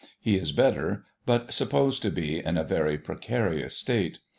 He is better, but supposed to be in a very precarious state.